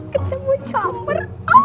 kita mau campur